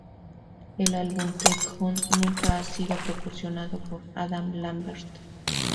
El álbum Take One nunca ha sido promocionado por Adam Lambert.